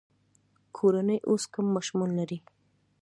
کورنۍ اوس کم ماشومان لري.